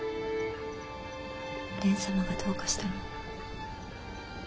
蓮様がどうかしたの？